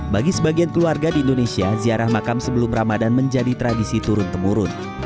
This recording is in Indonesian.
bagi sebagian keluarga di indonesia ziarah makam sebelum ramadan menjadi tradisi turun temurun